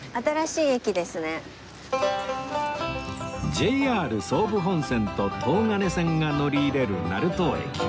ＪＲ 総武本線と東金線が乗り入れる成東駅